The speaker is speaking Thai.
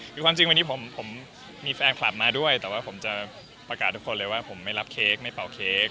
คือความจริงวันนี้ผมมีแฟนคลับมาด้วยแต่ว่าผมจะประกาศทุกคนเลยว่าผมไม่รับเค้กไม่เป่าเค้ก